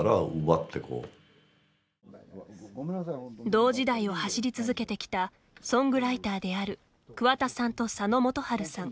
同時代を走り続けてきたソングライターである桑田さんと佐野元春さん。